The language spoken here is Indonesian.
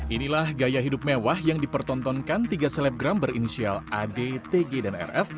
inilah gaya hidup mewah yang dipertontonkan tiga selebgram berinisial ad tg dan rf